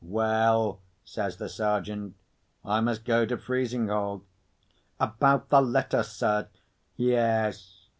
"Well," says the Sergeant. "I must go to Frizinghall." "About the letter, sir?" "Yes.